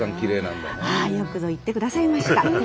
ああよくぞ言ってくださいました。